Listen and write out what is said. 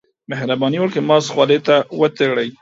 مهرباني وکړئ، ماسک خولې ته وتړئ.